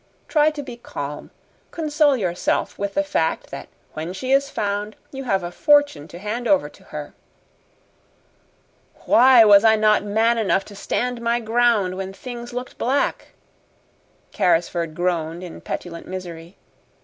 "Try to be calm. Console yourself with the fact that when she is found you have a fortune to hand over to her." "Why was I not man enough to stand my ground when things looked black?" Carrisford groaned in petulant misery.